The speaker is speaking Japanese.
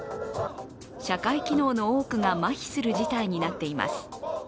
社会機能の多くがまひする事態になっています。